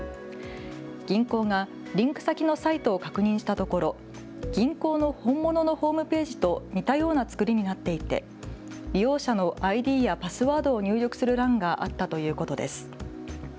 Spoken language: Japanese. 銀行がリンク先のサイトを確認したところ銀行の本物のホームページと似たような作りになっていて利用者のＩＤやパスワードを入力する欄があったということです。